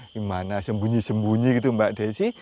di mana sembunyi sembunyi gitu mbak desy